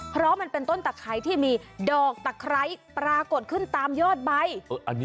เพราะมันเป็นต้นตะไคร้ที่มีดอกตะไคร้ปรากฏขึ้นตามยอดใบ